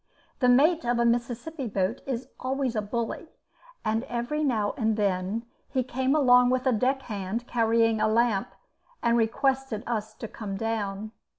The mate of a Mississippi boat is always a bully and every now and then he came along with a deck hand carrying a lamp, and requested us to come down.